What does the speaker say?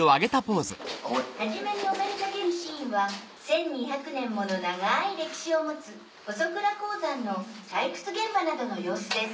初めにお目にかけるシーンは１２００年もの長い歴史を持つ細倉鉱山の採掘現場などの様子です。